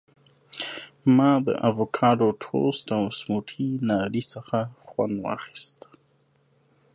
ما د ایوکاډو ټوسټ او سموټي ناري څخه خوند واخیست.